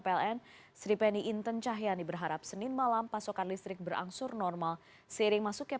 pln sripeny inten cahyani berharap senin malam pasokan listrik berangsur normal seiring masuknya